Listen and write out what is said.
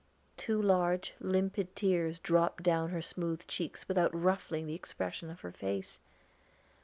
Two large, limpid tears dropped down her smooth cheeks without ruffling the expression of her face.